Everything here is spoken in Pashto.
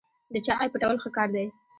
د چا عیب پټول ښه کار دی.